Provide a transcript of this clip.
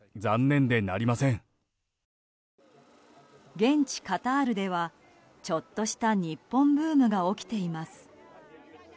現地カタールではちょっとした日本ブームが起きています。